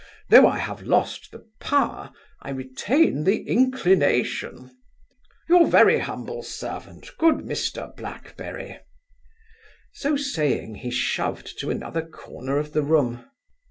Though I have lost the power, I retain the inclination Your very humble servant, good Mr Blackberry' So saying, he shoved to another corner of the room.